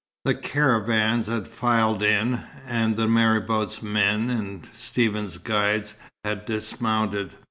The caravans had filed in, and the marabout's men and Stephen's guides had dismounted.